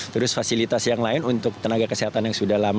terus fasilitas yang lain untuk tenaga kesehatan yang sudah lama